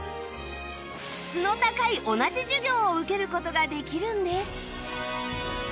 質の高い同じ授業を受ける事ができるんです